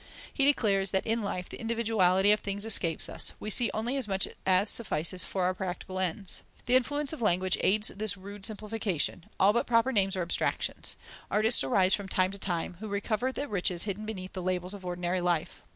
He declares that in life the individuality of things escapes us: we see only as much as suffices for our practical ends. The influence of language aids this rude simplification: all but proper names are abstractions. Artists arise from time to time, who recover the riches hidden beneath the labels of ordinary life.